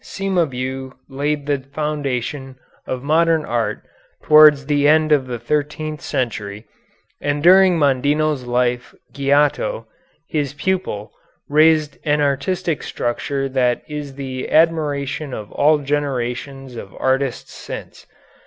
Cimabue laid the foundation of modern art towards the end of the thirteenth century, and during Mondino's life Giotto, his pupil, raised an artistic structure that is the admiration of all generations of artists since.